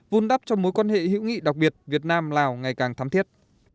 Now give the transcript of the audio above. vun đắp cho mối quan hệ hữu nghị đặc biệt việt nam lào ngày càng thắm thiết